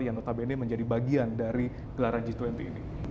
yang notabene menjadi bagian dari gelaran g dua puluh ini